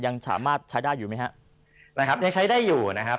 นี่ก็คงใช้ได้อยู่นะครับ